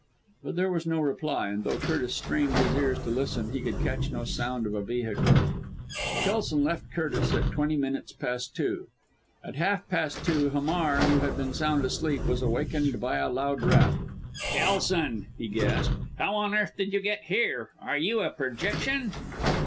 But there was no reply, and though Curtis strained his ears to listen, he could catch no sound of a vehicle. Kelson left Curtis at twenty minutes past two. At half past two, Hamar, who had been sound asleep, was awakened by a loud rap. "Kelson!" he gasped. "How on earth did you get here? Are you a projection?"